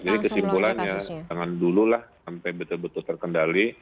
jadi kesimpulannya dengan dulu lah sampai betul betul terkendali